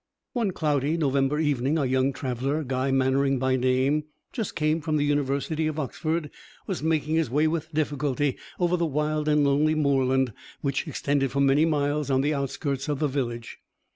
One cloudy November evening, a young traveller, Guy Mannering by name, just come from the University of Oxford, was making his way with difficulty over the wild and lonely moorland which extended for many miles on the outskirts of the village.